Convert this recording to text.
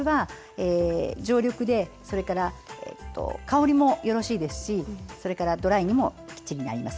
常緑で、香りもよろしいですしドライにもなります。